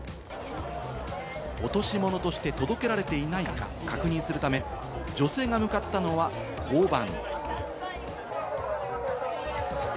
落とし物として届けられていないか確認するため、女性が向かったのは交番。